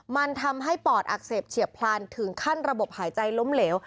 มันทำให้ปอดอักเสบเฉียบพลันถึงขั้นระบบหายใจล้มเหลว